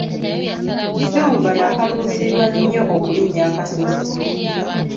Silver yakaluubirirwa nnyo okulinnya akasozi.